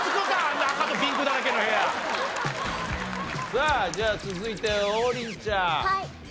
さあじゃあ続いて王林ちゃん。